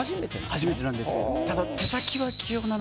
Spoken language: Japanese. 初めてなんですか？